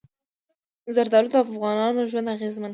زردالو د افغانانو ژوند اغېزمن کوي.